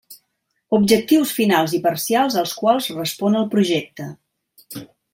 Objectius finals i parcials als quals respon el projecte.